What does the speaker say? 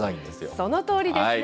そのとおりですね。